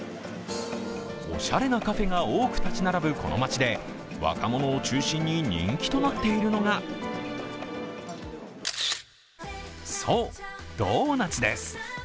おしゃれなカフェが多く建ち並ぶこの街で若者を中止に人気となっているのが、そう、ドーナツです。